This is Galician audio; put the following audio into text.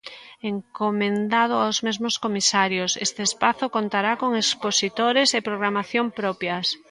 Encomendado aos mesmos comisarios, este espazo contará con expositores e programación propias.